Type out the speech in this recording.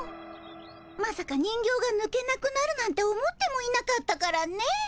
まさか人形がぬけなくなるなんて思ってもいなかったからね。